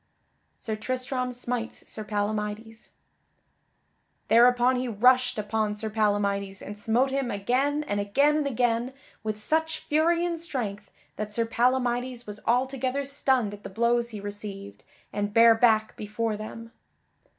[Sidenote: Sir Tristram smites Sir Palamydes] Thereupon he rushed upon Sir Palamydes and smote him again and again and again with such fury and strength that Sir Palamydes was altogether stunned at the blows he received and bare back before them.